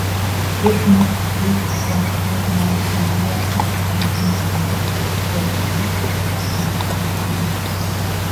This note reached Bonaparte in Alexandria, after passing through of Berlin and Constantinople.